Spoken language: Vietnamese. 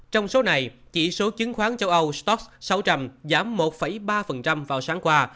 trong số này chỉ số chứng khoán châu âu stock sáu trăm linh giảm một ba vào sáng qua